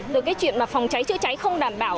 từ cái chuyện mà phòng trái chữa cháy không đảm bảo